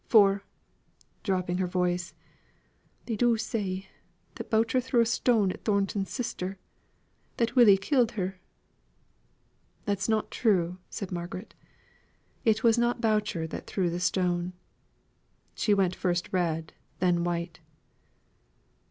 For," dropping her voice, "they do say, that Boucher threw a stone at Thornton's sister, that welly killed her." "That's not true," said Margaret. "It was not Boucher that threw the stone" she went first red, then white.